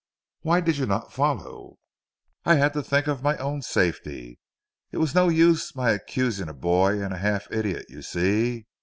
"Why did you not follow?" "I had to think of my own safety. It was no use my accusing a boy and a half idiot you see.